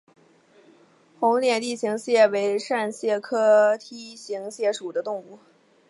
红点梯形蟹为扇蟹科梯形蟹属的动物。